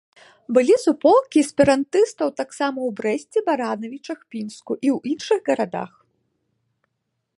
Былі суполкі эсперантыстаў таксама ў Брэсце, Баранавічах, Пінску і ў іншых гарадах